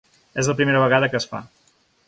És la primera vegada que es fa.